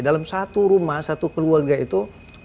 dalam satu rumah satu keluarga itu